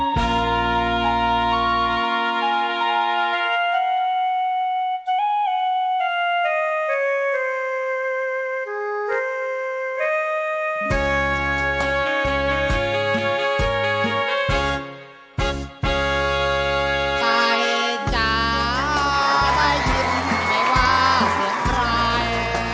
ใครจ้าได้ยินไงว่าเสียงไตร